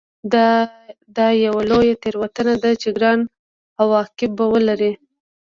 دا یوه لویه تېروتنه ده چې ګران عواقب به ولري